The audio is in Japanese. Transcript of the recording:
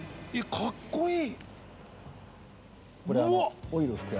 かっこいい！